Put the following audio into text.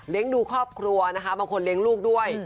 ดูครอบครัวนะคะบางคนเลี้ยงลูกด้วย